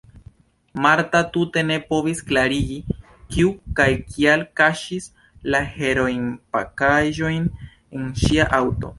Marta tute ne povis klarigi, kiu kaj kial kaŝis la heroinpakaĵojn en ŝia aŭto.